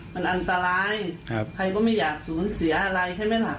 มันอันตรายใครก็ไม่อยากสูญเสียอะไรใช่ไหมล่ะ